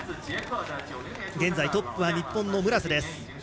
現在トップは日本の村瀬です。